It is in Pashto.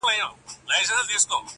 دُرانیډک له معناوو لوی انسان دی,